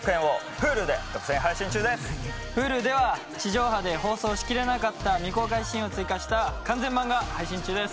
Ｈｕｌｕでは地上波で放送しきれなかった未公開シーンを追加した完全版が配信中です。